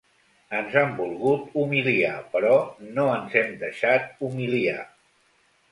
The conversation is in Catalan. Ens han volgut humiliar, però no ens hem deixat humiliar.